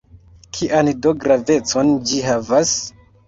Kian do gravecon ĝi havas?